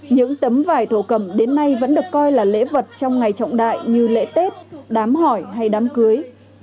những tấm vải thổ cầm đến nay vẫn được coi là lễ vật trong ngày trọng đại như lễ tết đám hỏi hay đám cưới